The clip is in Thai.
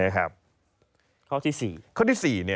ข้อที่๔